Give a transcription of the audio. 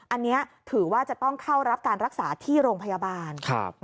อันนี้ถือว่าจะต้องเข้ารับการรักษาที่โรงพยาบาล